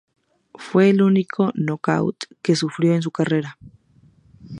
Fue el único nocaut que sufrió en su carrera.